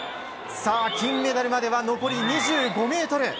金メダルまでは残り２５ｍ。